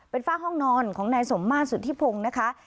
เป็นฝ้าห้องนอนของนายสมมาตรสุธิพงศ์นะคะ